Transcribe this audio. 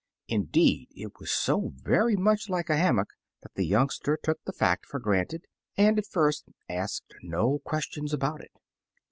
Indeed, it was so very much like a ham mock that the youngster took the fact for granted and at first asked no questions about it.